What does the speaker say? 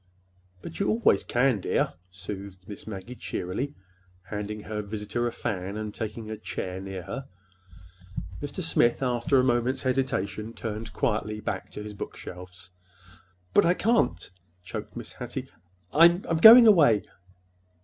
"But you always can, dear," soothed Miss Maggie cheerily, handing her visitor a fan and taking a chair near her. Mr. Smith, after a moment's hesitation, turned quietly back to his bookshelves. "But I can't," choked Mrs. Hattie. "I—I'm going away."